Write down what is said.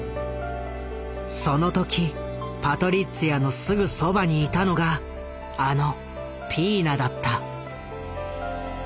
その時パトリッツィアのすぐそばにいたのがあのピーナだった。